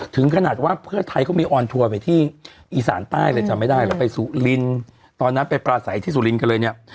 ถึงขนาดว่าเพื่อไทยเขามีออนทัวร์ไปที่อีสานใต้เลยจำไม่ได้หรอกไปสุรินตอนนั้นไปปลาใสที่สุรินทร์กันเลยเนี่ย